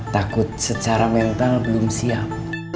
takut secara mental belum siap